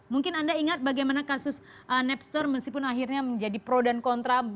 mungkin anda ingat bagaimana kasus nepster meskipun akhirnya menjadi pro dan kontra